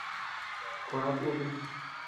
Kuä kutu.